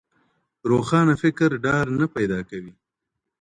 روښانه فکر ډار نه پیدا کوي.